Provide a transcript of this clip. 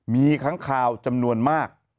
มีค้างคาวจำนวนมาก